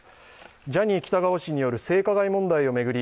ジャニー喜多川氏による性加害問題を巡り